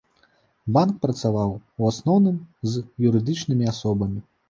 Банк працаваў, у асноўным, з юрыдычнымі асобамі.